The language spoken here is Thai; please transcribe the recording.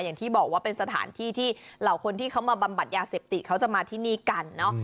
อย่างที่บอกว่าเป็นสถานที่ที่เหล่าคนที่เขามาบำบัดยาเสพติดเขาจะมาที่นี่กันเนอะ